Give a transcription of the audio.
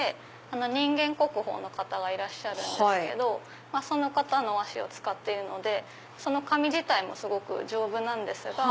人間国宝の方がいらっしゃるんですけどその方の和紙を使っているのでその紙自体もすごく丈夫なんですが。